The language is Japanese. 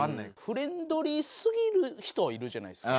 フレンドリーすぎる人いるじゃないですか。